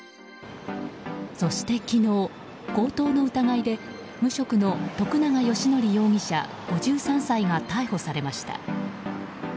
そして昨日、強盗の疑いで無職の徳永義則容疑者、５３歳が逮捕されました。